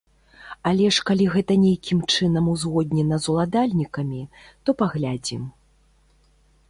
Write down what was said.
Але ж калі гэта нейкім чынам узгоднена з уладальнікамі, то паглядзім.